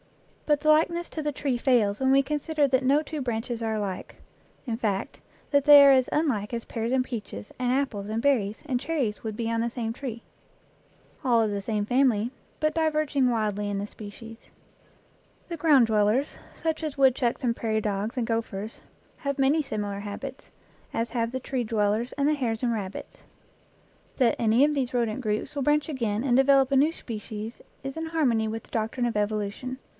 But the likeness to the tree fails when we consider that no two branches are alike; in fact, that they are as unlike as pears and peaches and apples and berries and cherries would be on the same tree all of the same family, but diverging widely in the species. 55 EACH AFTER ITS KIND The ground dwellers, such as woodchucks and prairie dogs and gophers, have many similar habits, as have the tree dwellers and the hares and rabbits. That any of these rodent groups will branch again and develop a new species is in harmony with the doctrine of evolution.